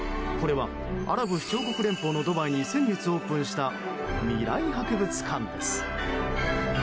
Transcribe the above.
これはアラブ首長国連邦のドバイに先月オープンした未来博物館です。